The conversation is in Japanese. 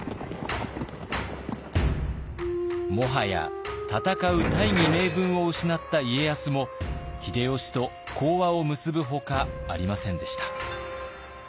もはや戦う大義名分を失った家康も秀吉と講和を結ぶほかありませんでした。